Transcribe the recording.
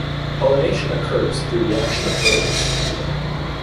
Pollination occurs through the action of birds.